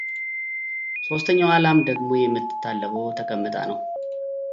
ሶስተኛዋ ላም ደግሞ የምትታለበው ተቀምጣ ነው፡፡